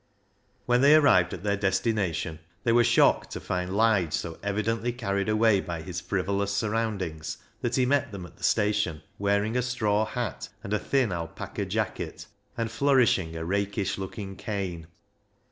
When they arrived at their destination, they were shocked to find Lige so evidently carried away by his frivolous surroundings that he met them at the station wearing a straw hat and a thin alpaca jacket, and flourishing a rakish looking cane.